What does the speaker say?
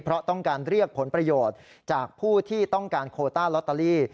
เพราะต้องการเรียกผลประโยชน์จากผู้ที่ต้องการโคต้าลอตเตอรี่